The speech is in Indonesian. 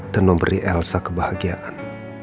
dan memberi elsa kebahagiaan